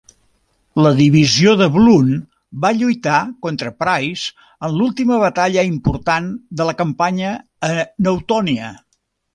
La divisió de Blunt va lluitar contra Price en l'última batalla important de la campanya a Newtonia.